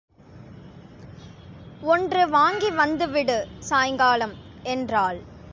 ஒன்று வாங்கி வந்துவிடு சாயங்காலம் என்றாள்.